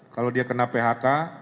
kalau dia kena phk